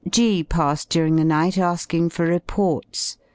G passed during the night asking for reports.